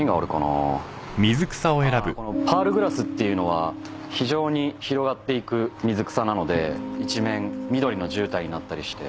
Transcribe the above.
ああこのパールグラスっていうのは非常に広がっていく水草なので一面緑のじゅうたんになったりして。